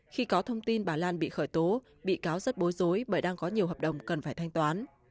khi có thông tin bà lan bị khởi tố bị cáo rất bối rối bởi đang có nhiều hợp đồng cần phải thanh toán